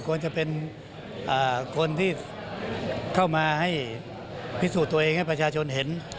ควรจะเป็นคนที่เข้ามาให้พิสูจน์ตัวเองให้ประชาชนเห็น